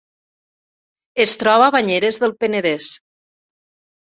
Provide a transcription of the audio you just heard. Es troba a Banyeres del Penedès.